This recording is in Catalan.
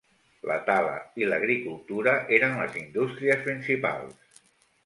La tala i l'agricultura eren les indústries principals.